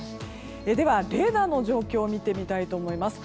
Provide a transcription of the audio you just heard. では、レーダーの状況見てみたいと思います。